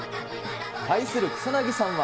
対する草薙さんは。